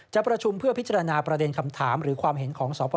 จะประชุมเพื่อพิจารณาประเด็นคำถามหรือความเห็นของสป